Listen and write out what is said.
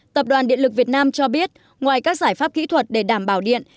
tập đoàn điện lực việt nam cho biết ngoài các giải pháp kỹ thuật để đảm bảo điện